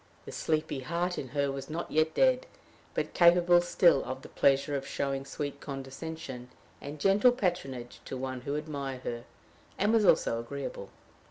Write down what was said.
The sleepy heart in her was not yet dead, but capable still of the pleasure of showing sweet condescension and gentle patronage to one who admired her, and was herself agreeable.